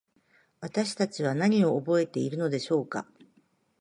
私たちは何を覚えているのでしょうか。